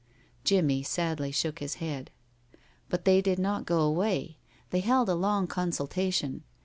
Jimmie sadly shook his head. But they did not go away. They held a long consultation.